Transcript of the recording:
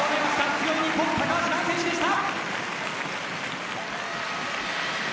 強い日本、高橋藍選手でした。